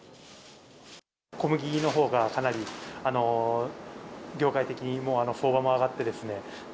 小麦のほうが、かなり業界的に、もう相場も上がってですね。